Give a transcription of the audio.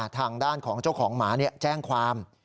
ทางด้านของเจ้าของหมาแจ้งความ